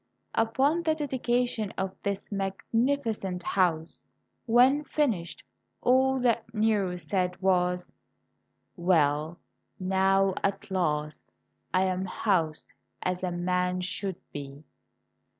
Upon the dedication of this mag nificent house, when finished, all that Nero said was, "Well, now at last I am housed as a man should be."